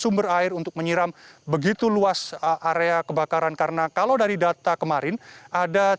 sumber air untuk menyiram begitu luas area kebakaran karena kalau dari data kemarin ada